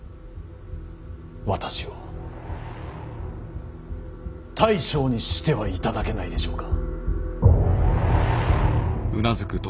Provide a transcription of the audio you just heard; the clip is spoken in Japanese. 私を大将にしてはいただけないでしょうか。